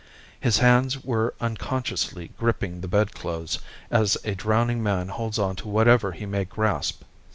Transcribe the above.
His hands were unconsciously gripping the bedclothes as a drowning man holds on to whatever he may grasp.